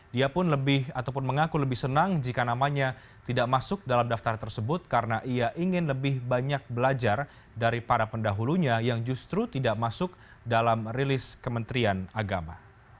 dia pun lebih ataupun mengaku lebih senang jika namanya tidak masuk dalam daftar tersebut karena ia ingin lebih banyak belajar dari para pendahulunya yang justru tidak masuk dalam rilis kementerian agama